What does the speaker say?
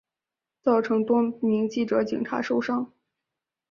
造成多名记者警察受伤